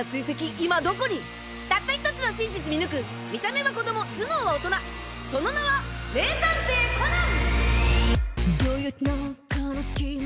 今どこにたった１つの真実見抜く見た目は子供頭脳は大人その名は名探偵コナン！